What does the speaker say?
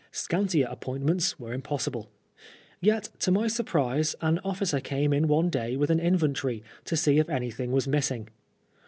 Scantier appointments were impossible. Yet, to my surprise, an officer came in one day with an inventory, to see if anything was missing.